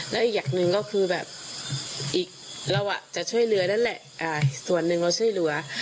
และอีกอย่างหนึ่งก็คือแบบอีกเราจะช่วยเหลือนั่นแหละส่วนหนึ่งเราช่วยเหลือ